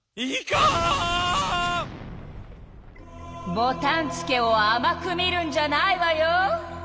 ボタンつけをあまく見るんじゃないわよ！